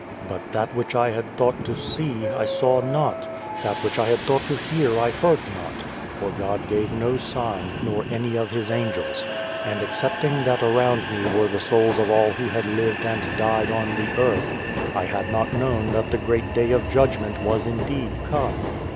But that which I had thought to see, I saw not, that which I had thought to hear, I heard not, for God gave no sign, nor any of His angels ; and excepting that around me were the souls of all who had lived and died on the 37 God and the Ant earth, I had not known that the Great Day of Judgment was indeed come.